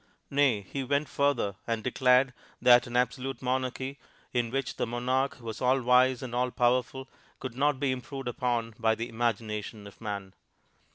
Nay, he went further and declared that an absolute monarchy in which the monarch was all wise and all powerful, could not be improved upon by the imagination of man.